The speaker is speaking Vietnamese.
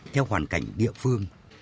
theo hoàn cảnh địa phương